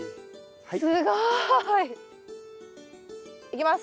すごい。いきます。